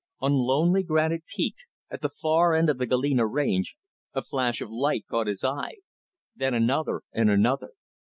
On lonely Granite Peak, at the far end of the Galena Range, a flash of light caught his eye then another and another.